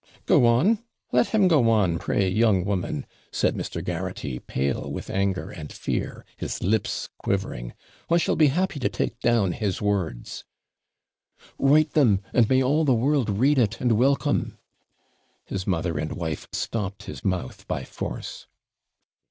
'Go on, let him go on, pray, young woman,' said Mr. Garraghty, pale with anger and fear, his lips quivering; 'I shall be happy to take down his words.' 'Write them; and may all the world read it, and welcome!' His mother and wife stopped his mouth by force.